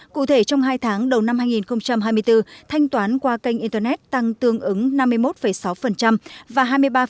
cụ thể trong hai tháng đầu năm hai nghìn hai mươi bốn thanh toán qua kênh internet tăng tương ứng năm mươi một sáu và hai mươi ba